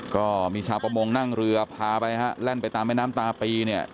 ก็มีชาวประมงนั่งเรือพาไปฮะแล่นไปตามแม่น้ำตาปีเนี่ย